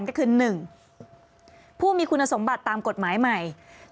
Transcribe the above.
ก็คือ๑ผู้มีคุณสมบัติตามกฎหมายใหม่